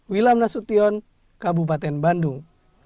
wilam nasution kabupaten bandung